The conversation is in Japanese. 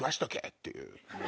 っていう。